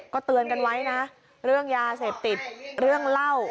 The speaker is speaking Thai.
ก็เตือนกันไว้นะเรื่องยาเสพติดเรื่องเหล้า